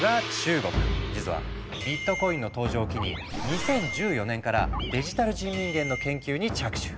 実はビットコインの登場を機に２０１４年からデジタル人民元の研究に着手。